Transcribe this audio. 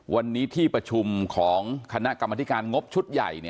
วันนี้ที่ประชุมของคณะกรรมธิการงบชุดใหญ่